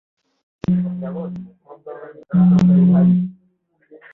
Yabonye umukobwa we mudasobwa yihariye.